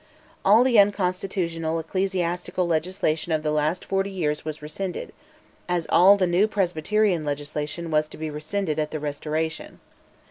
All the unconstitutional ecclesiastical legislation of the last forty years was rescinded, as all the new presbyterian legislation was to be rescinded at the Restoration.